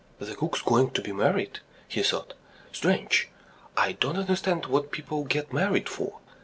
"The cook's going to be married," he thought. "Strange I don't understand what people get married for.